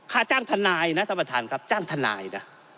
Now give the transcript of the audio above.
ค่าจ้างทนายนะท่านประธานครับจ้างทนายนะ